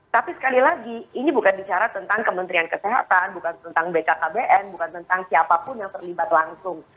tapi sekali lagi ini bukan bicara tentang kementerian kesehatan bukan tentang bkkbn bukan tentang siapapun yang terlibat langsung